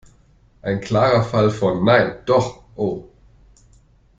Ein klarer Fall von: "Nein! Doch! Oh!"